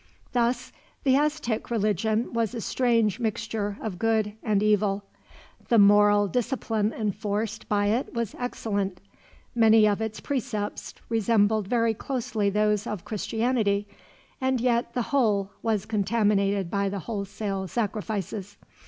Thus the Aztec religion was a strange mixture of good and evil. The moral discipline enforced by it was excellent. Many of its precepts resembled very closely those of Christianity, and yet the whole was contaminated by the wholesale sacrifices.